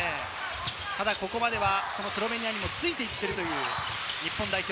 ここまではスロベニアについて行っている日本代表。